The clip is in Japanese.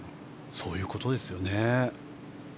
そういうことですよね。